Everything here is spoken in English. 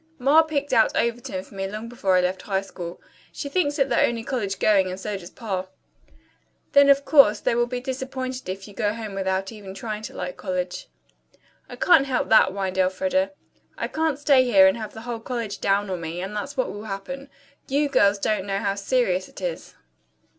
"Ma picked out Overton for me long before I left high school. She thinks it the only college going and so does Pa." "Then, of course, they will be disappointed if you go home without even trying to like college." "I can't help that," whined Elfreda. "I can't stay here and have the whole college down on me, and that's what will happen. You girls don't know how serious it is."